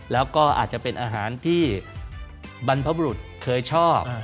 แล้วก็อาจจะเป็นอาหารที่บรรพบรุษเคยชอบ